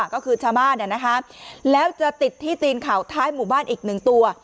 ก็คือชาบ้านเนี่ยนะคะแล้วจะติดที่ตีนข่าวท้ายหมู่บ้านอีกหนึ่งตัว